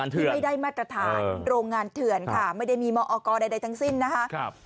ทำงานเถื่อนค่ะไม่ได้มีมออกรใดทั้งสิ้นนะครับ